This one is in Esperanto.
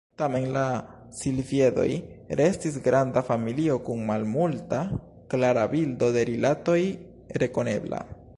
Tamen la silviedoj restis granda familio, kun malmulta klara bildo de rilatoj rekonebla.